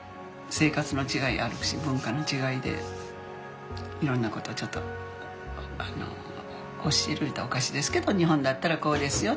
生活の違いあるし文化の違いでいろんなことをちょっと教える言うたらおかしいですけど「日本だったらこうですよ。